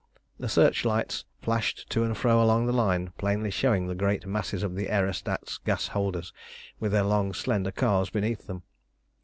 The searchlights flashed to and fro along the line, plainly showing the great masses of the aerostats' gas holders, with their long slender cars beneath them.